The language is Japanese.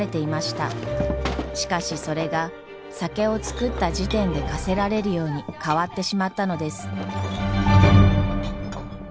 しかしそれが酒を造った時点で課せられるように変わってしまったのです。